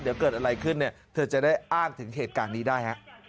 เดี๋ยวเกิดอะไรขึ้นเนี่ยเธอจะได้อ้างถึงเหตุการณ์นี้ได้ฮะ